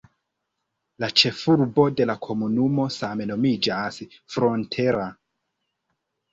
La ĉefurbo de la komunumo same nomiĝas "Frontera".